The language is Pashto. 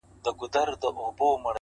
• ویل خیر کړې درته څه پېښه ده ګرانه ,